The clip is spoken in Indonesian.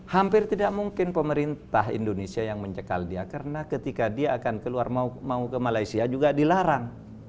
hampir tidak mungkin pemerintah indonesia yang mencekal dia karena ketika dia akan keluar mau ke malaysia juga dilarang